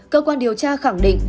cơ quan điều tra khẳng định